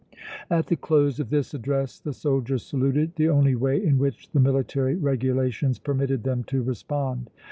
At the close of this address the soldiers saluted, the only way in which the military regulations permitted them to respond.